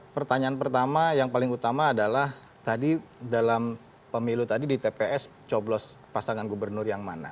pertanyaan pertama yang paling utama adalah tadi dalam pemilu tadi di tps coblos pasangan gubernur yang mana